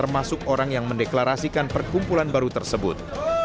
termasuk orang yang mendeklarasikan perkumpulan baru tersebut